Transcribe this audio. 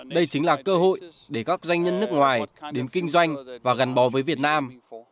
đây chính là cơ hội để các doanh nhân nước ngoài đến kinh doanh và gắn bó với việt nam